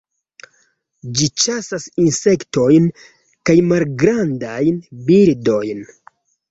Ĝi ĉasas insektojn kaj malgrandajn birdojn.